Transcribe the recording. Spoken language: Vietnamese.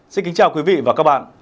xin kính chào quý vị và các bạn